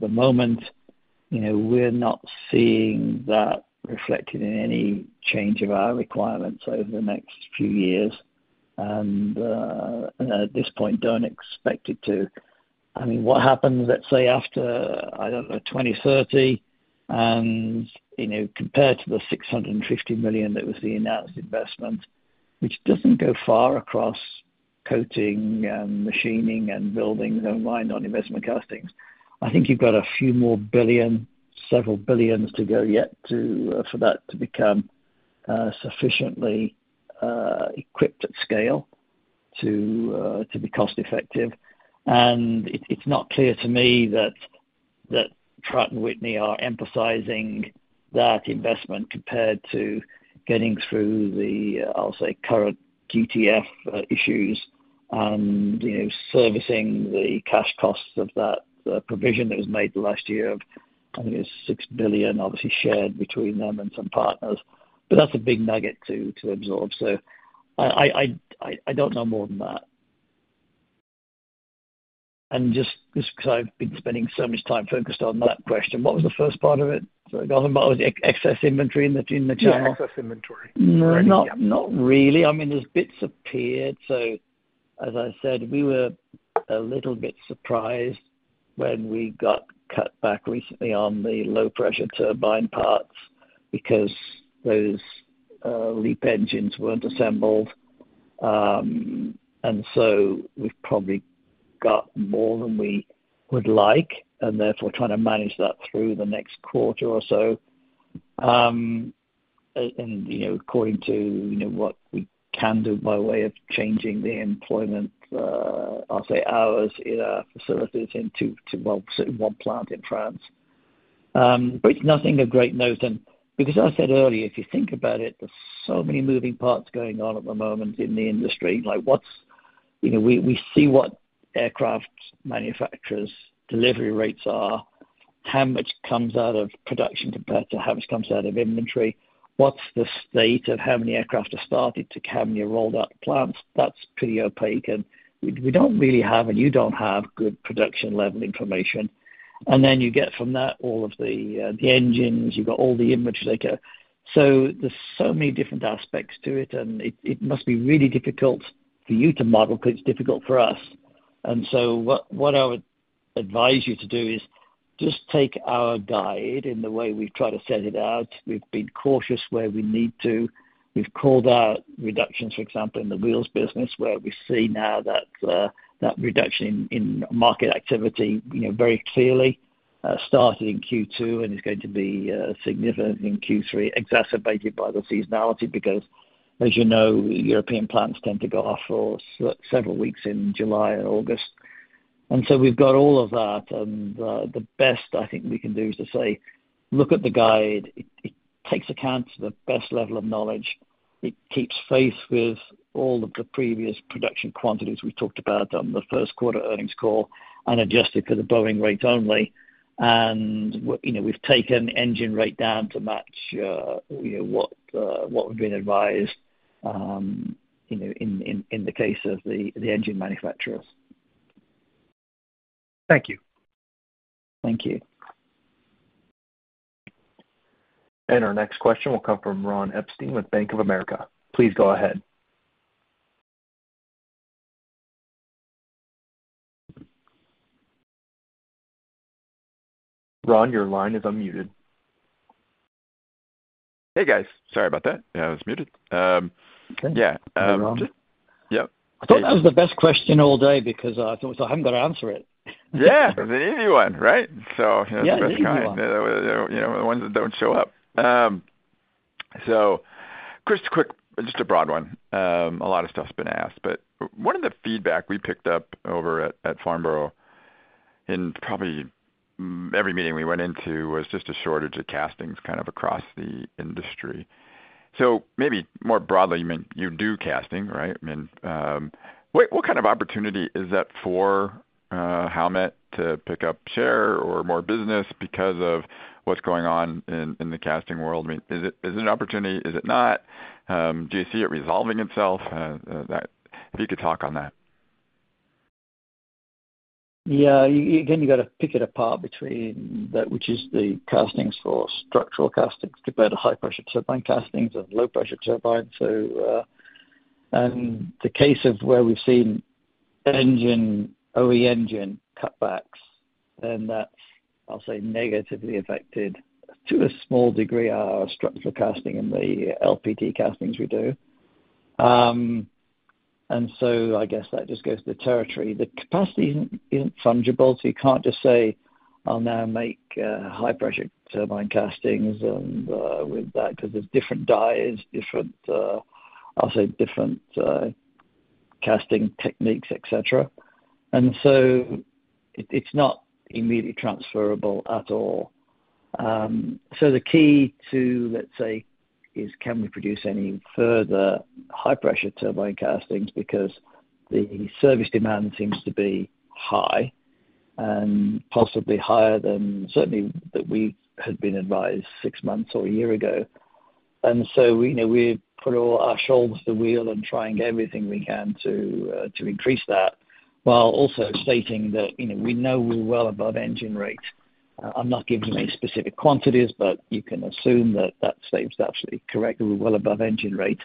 The moment we're not seeing that reflected in any change of our requirements over the next few years, and at this point, don't expect it to. I mean, what happens, let's say, after, I don't know, 2030, and compared to the $650 million that was the announced investment, which doesn't go far across coating and machining and building and mining on investment castings, I think you've got a few more billion, several billions to go yet for that to become sufficiently equipped at scale to be cost-effective. And it's not clear to me that Pratt & Whitney are emphasizing that investment compared to getting through the, I'll say, current GTF issues and servicing the cash costs of that provision that was made last year of, I think, it was $6 billion, obviously, shared between them and some partners. But that's a big nugget to absorb. So, I don't know more than that. And just because I've been spending so much time focused on that question, what was the first part of it? Was it excess inventory in the channel? Yeah, excess inventory. Not really. I mean, there's bits appeared. So as I said, we were a little bit surprised when we got cut back recently on the low-pressure turbine parts because those LEAP engines weren't assembled. And so we've probably got more than we would like and therefore trying to manage that through the next quarter or so. And according to what we can do by way of changing the employment, I'll say, hours in our facilities in one plant in France. But it's nothing of great note. And because I said earlier, if you think about it, there's so many moving parts going on at the moment in the industry. We see what aircraft manufacturers' delivery rates are, how much comes out of production compared to how much comes out of inventory, what's the state of how many aircraft are started to how many are rolled out to plants. That's pretty opaque. And we don't really have, and you don't have, good production level information. And then you get from that all of the engines. You've got all the inventory. So there's so many different aspects to it, and it must be really difficult for you to model because it's difficult for us. And so what I would advise you to do is just take our guide in the way we've tried to set it out. We've been cautious where we need to. We've called out reductions, for example, in the wheels business, where we see now that reduction in market activity very clearly started in Q2 and is going to be significant in Q3, exacerbated by the seasonality because, as you know, European plants tend to go off for several weeks in July and August. And so we've got all of that. The best I think we can do is to say, "Look at the guide." It takes account of the best level of knowledge. It keeps faith with all of the previous production quantities we've talked about on the first quarter earnings call and adjusted for the Boeing rates only. We've taken engine rate down to match what we've been advised in the case of the engine manufacturers. Thank you. Thank you. Our next question will come from Ron Epstein with Bank of America. Please go ahead. Ron, your line is unmuted. Hey, guys. Sorry about that. I was muted. Yeah. Hey, Ron. Yep. I thought that was the best question all day because I thought I haven't got to answer it. Yeah. It was an easy one, right? So, the best kind. Yeah. Easy one. The ones that don't show up. So just a broad one. A lot of stuff's been asked, but one of the feedback we picked up over at Farnborough in probably every meeting we went into was just a shortage of castings kind of across the industry. So maybe more broadly, you mean you do casting, right? I mean, what kind of opportunity is that for Howmet to pick up share or more business because of what's going on in the casting world? I mean, is it an opportunity? Is it not? Do you see it resolving itself? If you could talk on that. Yeah. Again, you've got to pick it apart between which is the castings for structural castings compared to high-pressure turbine castings and low-pressure turbines. And the case of where we've seen OE engine cutbacks, then that's, I'll say, negatively affected to a small degree our structural casting and the LPT castings we do. And so, I guess that just goes to the territory. The capacity isn't fungible, so you can't just say, "I'll now make high-pressure turbine castings with that," because there's different dies, I'll say, different casting techniques, etc. And so, it's not immediately transferable at all. So, the key to, let's say, is can we produce any further high-pressure turbine castings because the service demand seems to be high and possibly higher than certainly that we had been advised six months or a year ago. And so we put all our shoulders to the wheel and try and get everything we can to increase that while also stating that we know we're well above engine rate. I'm not giving any specific quantities, but you can assume that that statement's absolutely correct. We're well above engine rate.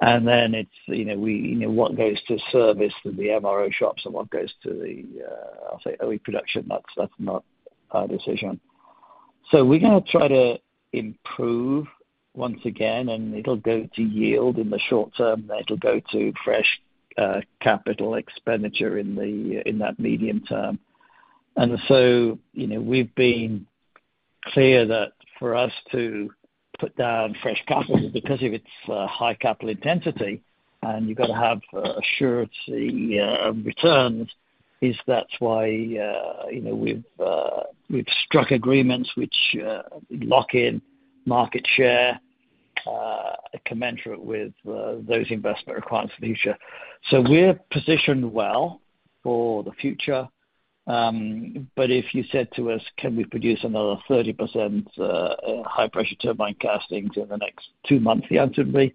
And then it's what goes to service to the MRO shops and what goes to the, I'll say, OE production. That's not our decision. So we're going to try to improve once again, and it'll go to yield in the short term. It'll go to fresh capital expenditure in that medium term. And so, we've been clear that for us to put down fresh capital because of its high capital intensity and you've got to have assurance of returns, is that's why we've struck agreements which lock in market share commensurate with those investment requirements for the future. So, we're positioned well for the future. But if you said to us, "Can we produce another 30% high-pressure turbine castings in the next two months?" The answer would be,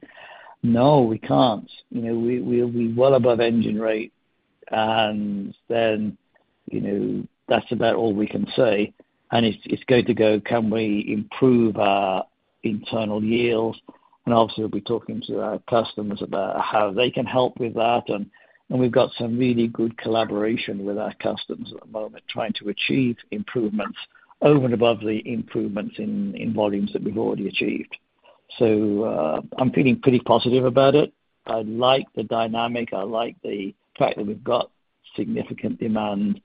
"No, we can't. We're well above engine rate." And then that's about all we can say. And it's going to go, "Can we improve our internal yield?" And obviously, we'll be talking to our customers about how they can help with that. And we've got some really good collaboration with our customers at the moment trying to achieve improvements over and above the improvements in volumes that we've already achieved. So, I'm feeling pretty positive about it. I like the dynamic. I like the fact that we've got significant demand.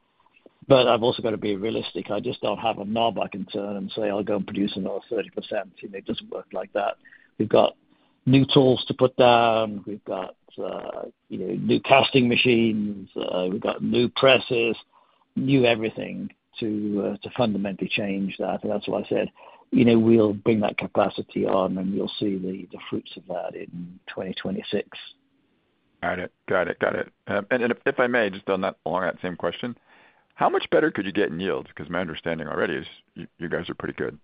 But I've also got to be realistic. I just don't have a knob I can turn and say, "I'll go and produce another 30%." It doesn't work like that. We've got new tools to put down. We've got new casting machines. We've got new presses, new everything to fundamentally change that. And that's why I said we'll bring that capacity on, and you'll see the fruits of that in 2026. Got it. Got it. Got it. And if I may, just on that same question, how much better could you get in yields? Because my understanding already is you guys are pretty good.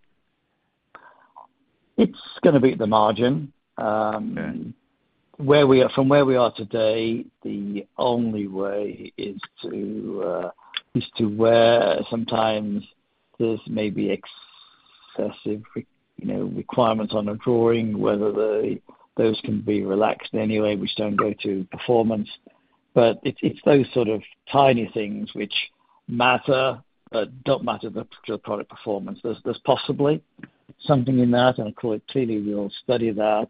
It's going to be at the margin. From where we are today, the only way is to where sometimes there's maybe excessive requirements on a drawing, whether those can be relaxed anyway, which don't go to performance. But it's those sorts of tiny things which matter but don't matter to the product performance. There's possibly something in that, and I'll call it clearly, we'll study that,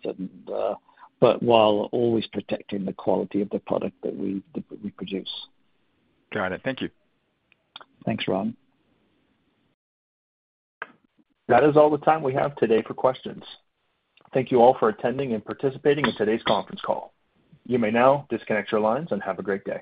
but while always protecting the quality of the product that we produce. Got it. Thank you. Thanks, Ron. That is all the time we have today for questions. Thank you all for attending and participating in today's conference call. You may now disconnect your lines and have a great day.